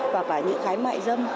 và những gái mại dâm